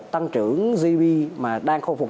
tăng trưởng gb mà đang khôi phục